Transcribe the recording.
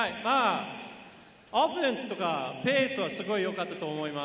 オフェンスとかペースはすごい良かったと思います。